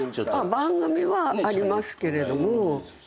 番組はありますけれども。